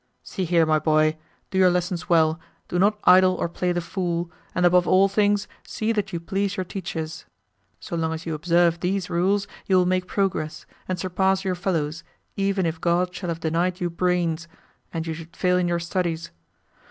"See here, my boy. Do your lessons well, do not idle or play the fool, and above all things, see that you please your teachers. So long as you observe these rules you will make progress, and surpass your fellows, even if God shall have denied you brains, and you should fail in your studies.